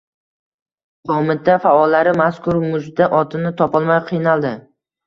Qo‘mita faollari mazkur mujda otini topolmay qiynaldi.